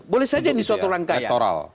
boleh saja ini suatu rangkaian